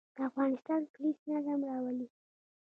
د افغانستان پولیس نظم راولي